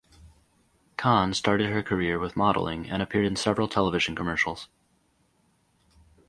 Khan started her career with modeling and appeared in several television commercials.